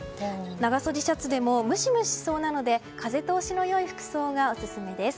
長袖シャツでもムシムシしそうなので風通しの良い服装がオススメです。